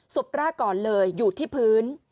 สบร่าก่อนเลยอยู่ที่พื้น